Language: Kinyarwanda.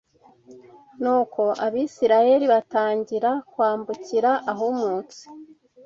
Nuko Abisirayeli batangira kwambukira ahumutse